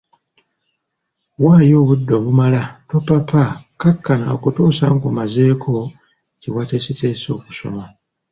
Waayo obudde obumala, topapa, kkakkana okutuusa ng'omazeeko kye wateesetese okusoma.